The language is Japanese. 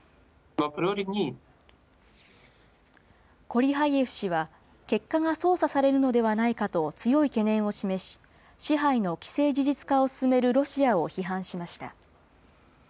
コリハイエフ氏は、結果が操作されるのではないかと強い懸念を示し、支配の既成事実化を進めるロシアを批判しました。